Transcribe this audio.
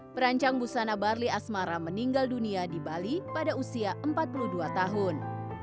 perancang busana barli asmara meninggal dunia di bali pada usia empat puluh dua tahun